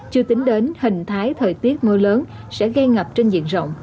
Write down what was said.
chưa tính đến hình thái thời tiết mưa lớn sẽ gây ngập trên diện rộng